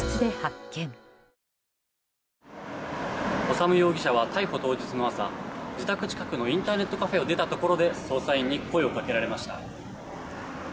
修容疑者は逮捕当日の朝自宅近くのインターネットカフェを出たところで捜査員に声をかけられました。